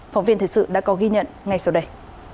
phóng viên thời sự đã có ghi nhận ngay sau đây